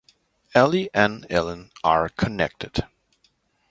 Elly and Ellen are connected.